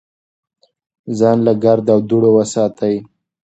ځان له ګرد او دوړو وساتئ.